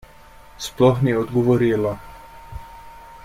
Sploh ni odgovorila.